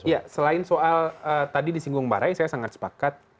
ya selain soal tadi disinggung barai saya sangat sepakat